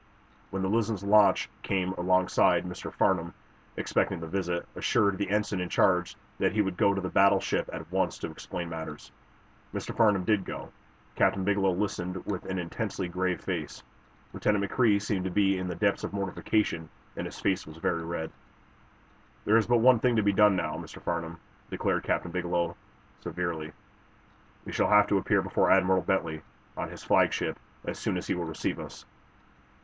When the "Luzon's" launch came alongside, Mr. Farnum, expecting the visit, assured the ensign in charge that he would go to the battle ship at once to explain matters. Mr. Farnum did go. Captain Bigelow listened with an intensely grave face. Lieutenant McCrea seemed to be in the depths of mortification, and his face was very red. "There is but one thing to be done, now, Mr. Farnum," declared Captain Bigelow, severely. "We shall have to appear before Admiral Bentley, on his flagship, as soon as he will receive us.